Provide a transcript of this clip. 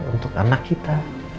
untuk anak kita